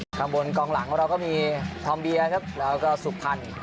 ข้างบนกองหลังของเราก็มีธอมเบียครับแล้วก็สุพรรณ